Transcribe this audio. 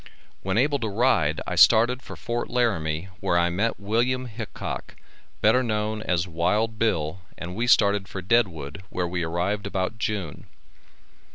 When able to ride I started for Fort Laramie where I met Wm. Hickock, better known as Wild Bill, and we started for Deadwood, where we arrived about June.